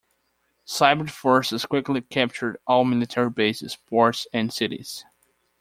Cybrid forces quickly captured all military bases, ports, and cities.